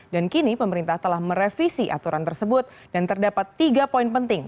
dan kini pemerintah telah merevisi aturan tersebut dan terdapat tiga poin penting